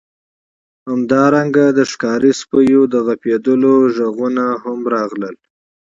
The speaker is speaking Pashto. همدارنګه د ښکاري سپیو د غپیدلو غږونه هم راغلل